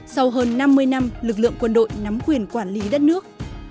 sau hơn năm mươi năm lực lượng quân đội nắm quyền quản lý đất nước